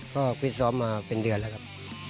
ก็ฟิตซ้อมมาเป็นเดือนแล้วครับ